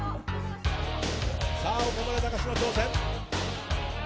岡村隆史の挑戦。